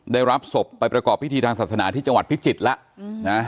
ได้รับศพไปประกอบพิธีทางศาสนาที่จังหวัดพิจิตรแล้วนะ